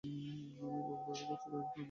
আমি ববের কাছে কয়েনটা দিতে এলাম।